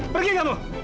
pergi kamu pergi